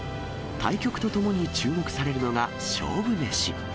対局とともに注目されるのが、勝負メシ。